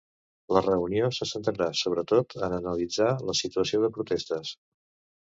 La reunió se centrarà sobretot en analitzar la situació de protestes.